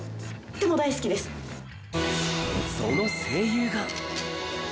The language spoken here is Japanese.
その声優が。